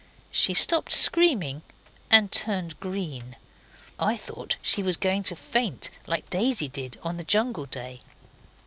She stopped screaming, and turned green, and I thought she was going to faint, like Daisy did on the jungle day.